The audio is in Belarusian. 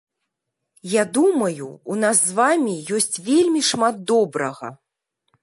Я думаю, у нас з вамі ёсць вельмі шмат добрага.